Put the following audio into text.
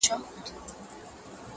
او توري څڼي به دي؛